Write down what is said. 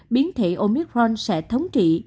biến thể omicron sẽ thống trị